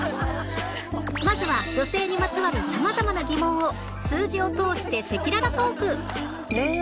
まずは女性にまつわる様々な疑問を数字を通して赤裸々トーク